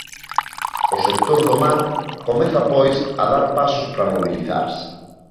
O sector do mar comeza pois a dar pasos para mobilizarse.